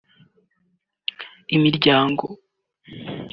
imiryango